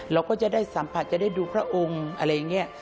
เราก็จะได้สัมผัสจะได้ดูพระองค์อะไรอย่างนี้